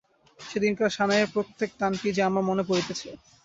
সেদিনকার সানাইয়ের প্রত্যেক তানটি যে আমার মনে পড়িতেছে।